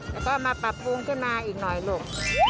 แล้วก็มาปรับปรุงขึ้นมาอีกหน่อยลูก